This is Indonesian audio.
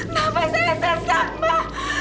mbak kenapa saya tersesat mbak